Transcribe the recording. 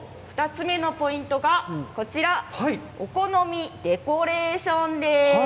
２つ目のポイントがお好みデコレーションです。